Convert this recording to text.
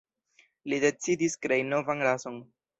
Li decidis krei novan rason.